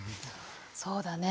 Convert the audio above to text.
そうだね。